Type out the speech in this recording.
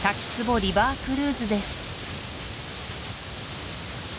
リバークルーズです